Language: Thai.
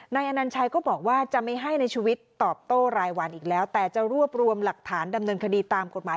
นายอนัญชัยก็บอกว่าจะไม่ให้ในชีวิตตอบโต้รายวันอีกแล้วแต่จะรวบรวมหลักฐานดำเนินคดีตามกฎหมาย